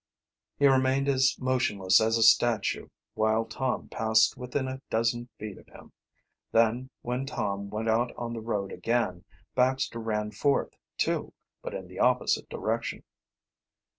He remained as motionless as a statue while Tom passed within a dozen feet of him. Then When Tom went out on the road again Baxter ran forth, too, but in the opposite direction.